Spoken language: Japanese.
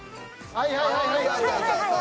はいはいはいはい。